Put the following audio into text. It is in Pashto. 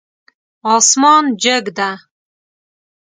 اسمان جګ ده